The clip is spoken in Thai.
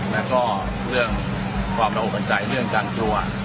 และก็เรื่องความระหว่นใจเรื่องการกลัว